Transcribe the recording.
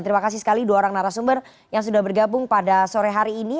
terima kasih sekali dua orang narasumber yang sudah bergabung pada sore hari ini